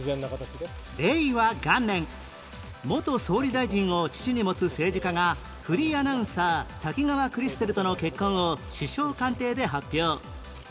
令和元年元総理大臣を父に持つ政治家がフリーアナウンサー滝川クリステルとの結婚を首相官邸で発表